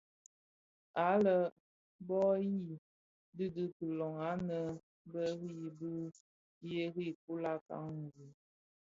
Àa le bu i yii di bi kilong inë bë ri bii ghêrii kula canji.